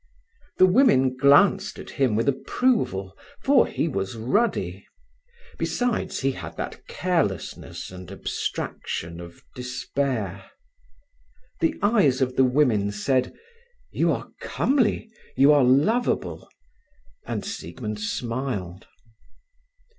The women glanced at him with approval, for he was ruddy; besides, he had that carelessness and abstraction of despair. The eyes of the women said, "You are comely, you are lovable," and Siegmund smiled.